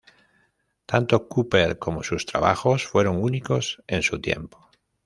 Tanto Cooper como sus trabajos fueron únicos en su tiempo.